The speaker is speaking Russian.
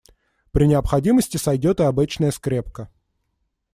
При необходимости сойдёт и обычная скрепка.